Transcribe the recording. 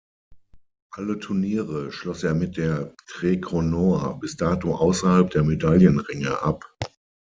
Alle Turnier schloss er mit der "Tre Kronor" bis dato außerhalb der Medaillenränge ab.